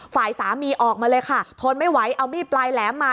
ฝ่ายสามีออกมาเลยค่ะทนไม่ไหวเอามีดปลายแหลมมา